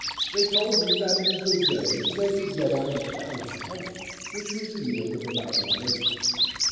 They told me that in a good day they could get out a thousand tons, which was the yield of about one acre.